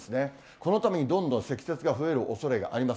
このためにどんどん積雪が増えるおそれがあります。